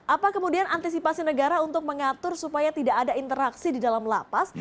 apa kemudian antisipasi negara untuk mengatur supaya tidak ada interaksi di dalam lapas